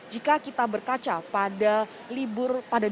jika kita berkaca pada